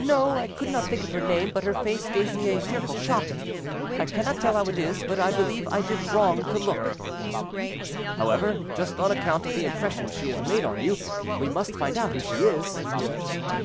"No, I could not think of her name; but her face gave me a fearful shock. I cannot tell how it is; but I believe I did wrong to look." "However, just on account of the impression she has made on you, we must find out who she is."